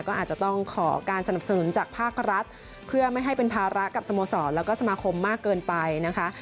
ก็อาจจะต้องขอการสนับสนุนจากภาครัฐเพื่อไม่ให้เป็นภาระกับสโมสรแล้วก็สมาคมมากเกินไปนะคะ